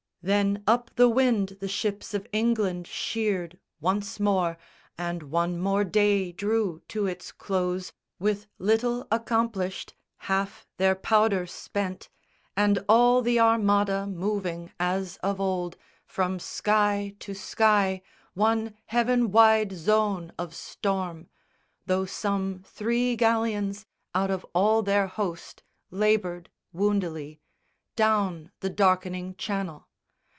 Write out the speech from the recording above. Then up the wind the ships of England sheered Once more, and one more day drew to its close, With little accomplished, half their powder spent, And all the Armada moving as of old, From sky to sky one heaven wide zone of storm, (Though some three galleons out of all their host Laboured woundily) down the darkening Channel.